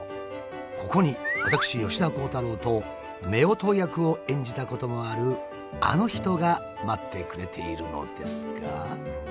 ここに私吉田鋼太郎と夫婦役を演じたこともあるあの人が待ってくれているのですが。